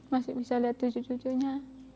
masih bisa lihat cucu cucunya